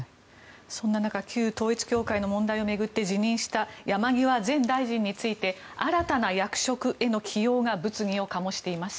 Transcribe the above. そんな中旧統一教会の問題を巡って辞任した山際前大臣について新たな役職への起用が物議を醸しています。